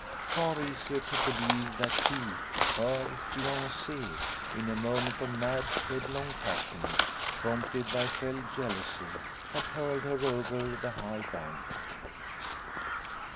Far easier to believe that he, her fiance, in a moment of mad, headlong passion, prompted by fell jealousy, had hurled her over the high bank.